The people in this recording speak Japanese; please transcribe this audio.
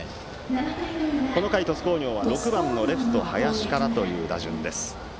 この回、鳥栖工業は７番レフトの林からという打順。